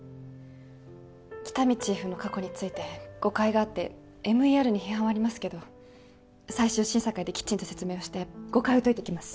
喜多見チーフの過去について誤解があってＭＥＲに批判はありますけど最終審査会できちんと説明をして誤解を解いてきます